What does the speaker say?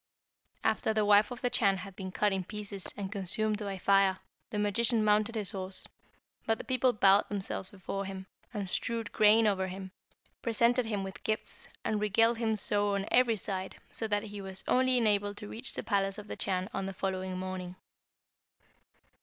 "After the wife of the Chan had been cut in pieces, and consumed by fire, the magician mounted his horse; but the people bowed themselves before him, and strewed grain over him, presented him with gifts, and regaled him so on every side, that he was only enabled to reach the palace of the Chan on the following morning.